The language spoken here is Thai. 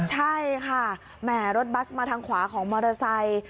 ใช่ค่ะแหมรถบัสมาทางขวาของมอเตอร์ไซค์